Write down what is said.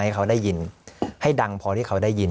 ให้เขาได้ยินให้ดังพอที่เขาได้ยิน